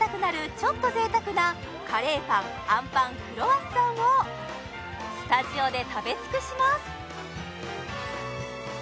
ちょっと贅沢なカレーパンあんパンクロワッサンをスタジオで食べ尽くします！